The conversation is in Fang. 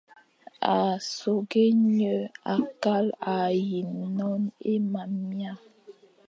A soghé nye akal a yi non é mam mia,